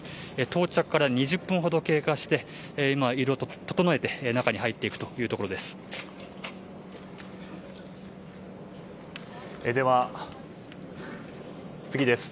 到着から２０分ほど経過していろいろ整えて中に入っていくというところです。